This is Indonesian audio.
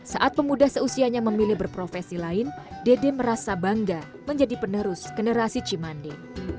saat pemuda seusianya memilih berprofesi lain dede merasa bangga menjadi penerus generasi cimande